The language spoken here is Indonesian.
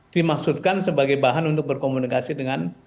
dimaksudkan sebagai bahan untuk berkomunikasi dengan